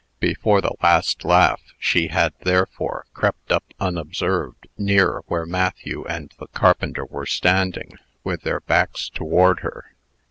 Before the last laugh, she had, therefore, crept up, unobserved, near where Matthew and the carpenter were standing, with their backs toward her.